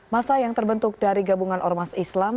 masa yang terbentuk dari gabungan ormas islam